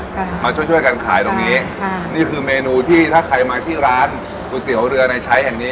ค่ะมาช่วยช่วยกันขายตรงนี้ค่ะนี่คือเมนูที่ถ้าใครมาที่ร้านก๋วยเตี๋ยวเรือในใช้แห่งนี้